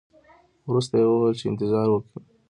ورسته یې وویل چې انتظار وکړئ.